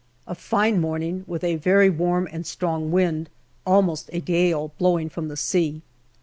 A fine morning, with a very warm and strong wind, almost a gale, blowing from the sea.